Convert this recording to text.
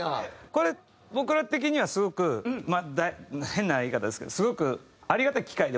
これ僕ら的にはすごく変な言い方ですけどすごくありがたい機会ではあるんですよね。